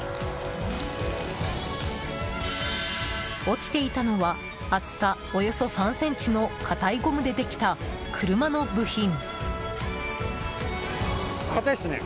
落ちていたのは厚さおよそ３ｃｍの硬いゴムでできた車の部品。